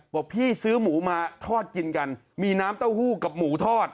บอกพี่ซื้อหมูมาทอดกินกันมีน้ำเต้าหู้กับหมูทอด